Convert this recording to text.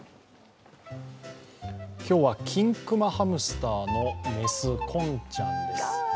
今日はキンクマハムスターの雌、こんちゃんです。